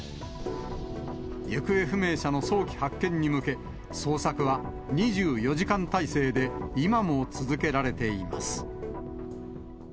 行方不明者の早期発見に向け、捜索は２４時間態勢で今も続けられています。